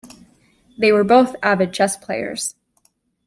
They were both avid chess players.